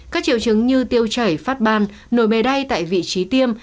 các triệu chứng như tiêu chảy phát ban nổi mê đai tại vị trí tiêm